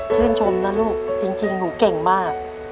ชื่นชมนะลูกจริงหนูเก่งมาก